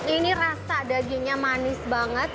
ini rasa dagingnya manis banget